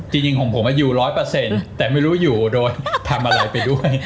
จริงของผมอยู่๑๐๐แต่ไม่รู้อยู่โดนทำอะไรไปด้วย